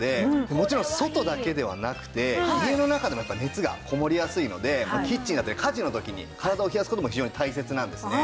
もちろん外だけではなくて家の中でもやっぱり熱がこもりやすいのでキッチンだったり家事の時に体を冷やす事も非常に大切なんですね。